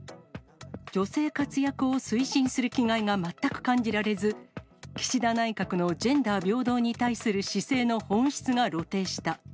女性活躍を推進する気概が全く感じられず、岸田内閣のジェンダー平等に対する姿勢の本質が露呈した。